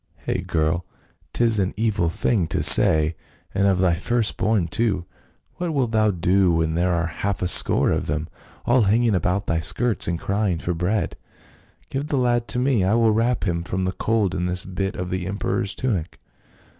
" Hcgh, girl ! 'tis an evil thing to say, and of thy first born too ; what wilt thou do when there are half a score of them, all hanging about thy skirts and cry ing for bread ? Give the lad to me ; I will wrap him from the cold in this bit of the emperor's tunic.